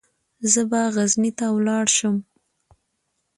زه به غزني ته ولاړ شم.